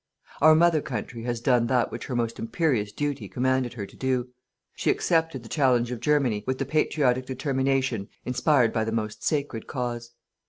"Our Mother Country has done that which her most imperious duty commanded her to do. She accepted the challenge of Germany with the patriotic determination inspired by the most sacred cause.